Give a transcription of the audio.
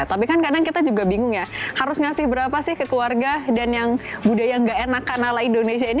tapi kan kadang kita juga bingung ya harus ngasih berapa sih ke keluarga dan yang budaya gak enak kan ala indonesia ini